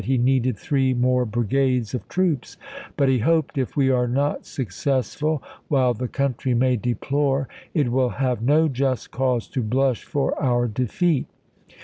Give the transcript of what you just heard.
he needed three more brigades of troops, but he hoped " if we are not successful, while the country may deplore, it will have no just cause to blush for our defeat."